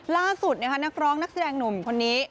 ล่าสุดนะคะนักร้องนักแสดงหนุ่มคนนี้